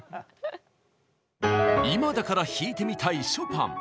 今だから弾いてみたいショパン。